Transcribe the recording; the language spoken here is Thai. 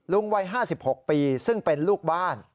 วัย๕๖ปีซึ่งเป็นลูกบ้าน